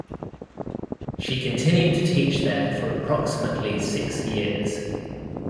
She continued to teach there for approximately six years.